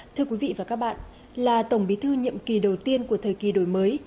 thưa quý vị và các bạn là tổng bí thư nhiệm kỳ đầu tiên của thời kỳ đổi mới